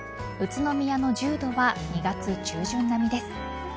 宇都宮の１０度は２月中旬並みです。